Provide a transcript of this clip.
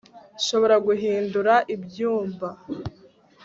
Nshobora guhindura ibyumba